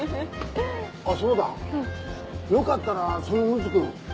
あっそうだよかったらそのむつ君